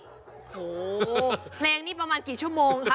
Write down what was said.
โอ้โหเพลงนี้ประมาณกี่ชั่วโมงค่ะ